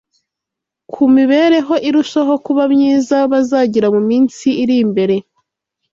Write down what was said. ku mibereho irushaho kuba myiza bazagira mu minsi iri imbere!